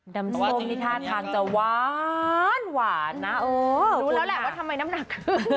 น้ำส้มที่ท่านทางจะว้านหวานนะดูแล้วแหละว่าทำไมน้ำหนัก